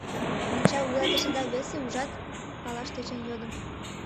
— Монча вуйлатышыда весе, ужат? — палаш тӧчен йодым.